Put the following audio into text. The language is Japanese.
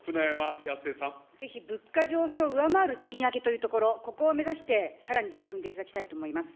ぜひ物価上昇を上回る賃上げというところ、ここを目指して、さらに取り組んでいただきたいと思います。